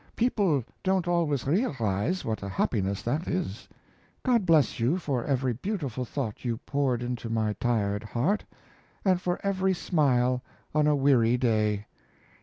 People don't always realize what a happiness that is! God bless you for every beautiful thought you poured into my tired heart, and for every smile on a weary way.